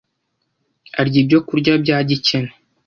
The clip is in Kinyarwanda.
arya ibyokurya bya gikene